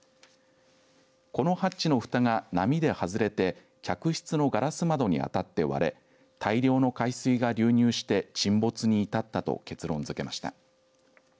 このハッチのふたが波で外れて客室のガラス窓に当たって割れ大量の海水が流入して沈没に至ったと結論づけました。